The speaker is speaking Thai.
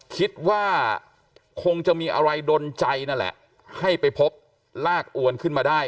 คิดว่าคงจะมีอะไรดนใจนั่นแหละให้ไปพบลากอวนขึ้นมาได้